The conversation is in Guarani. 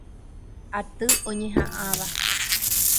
Aty oñeha'ãva.